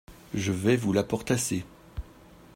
Je vais vous l’apportasser !